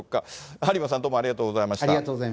有馬さん、どうもありがとうございました。